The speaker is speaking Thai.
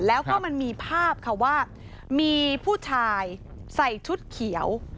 แล้วก็มันมีภาพค่ะว่ามีผู้ชายใส่ชุดเขียว